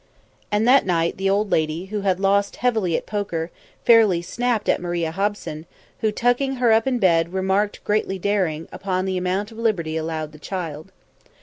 And that night, the old lady, who had lost heavily at poker, fairly snapped at Maria Hobson, who, tucking her up in bed, remarked, greatly daring, upon the amount of liberty allowed the child.